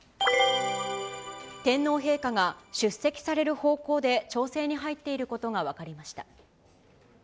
天皇陛下が出席される方向で調整に入っていることが分かりました。